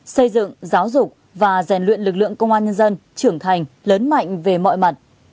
xây dựng giáo dục và rèn luyện lực lượng công an nhân dân trưởng thành lớn mạnh về mọi mặt